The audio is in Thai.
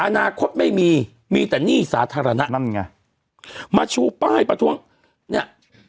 อนาคตไม่มีมีแต่หนี้สาธารณะนั่นไงมาชูป้ายประท้วงเนี่ย